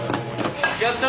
やった！